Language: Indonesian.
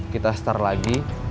kita start lagi